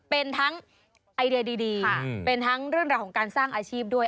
เป็นทั้งไอเดียดีเป็นทั้งเรื่องราวของการสร้างอาชีพด้วย